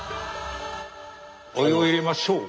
お湯を入れましょう。